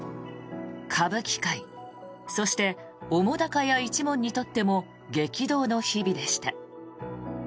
歌舞伎界そして澤瀉屋一門にとっても激動の日々でした。